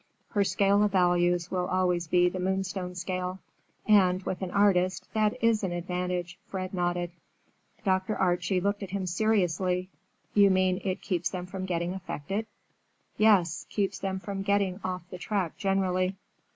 Her scale of values will always be the Moonstone scale. And, with an artist, that is an advantage." Fred nodded. Dr. Archie looked at him seriously. "You mean it keeps them from getting affected?" "Yes; keeps them from getting off the track generally."